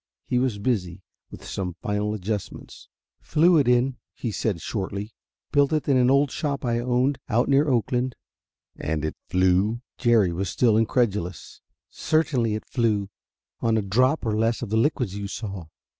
He was busy with some final adjustments. "Flew it in," he said shortly. "Built it in an old shop I owned out near Oakland." "And it flew?" Jerry was still incredulous. "Certainly it flew! On a drop or less of the liquids you saw."